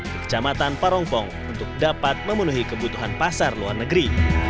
di kecamatan parongpong untuk dapat memenuhi kebutuhan pasar luar negeri